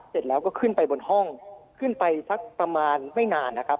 เสร็จแล้วก็ขึ้นไปบนห้องขึ้นไปสักประมาณไม่นานนะครับ